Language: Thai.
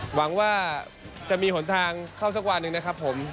หวังว่าจะมีหนทางเข้าสักวันหนึ่งนะครับผม